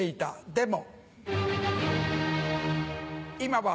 でも！